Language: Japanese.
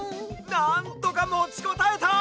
なんとかもちこたえた！